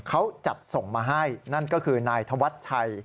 เขาจัดส่งมาให้นั่นก็คือนายธวัชชัย